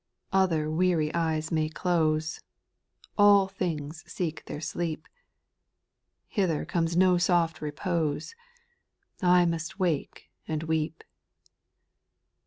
876 SPIRITUAL SONGS. 8. Other weary eyes may close, All things seek their sleep, Hither comes no soft repose, I must wake and weep.